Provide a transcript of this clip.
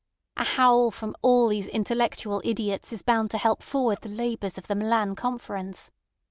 A howl from all these intellectual idiots is bound to help forward the labours of the Milan Conference.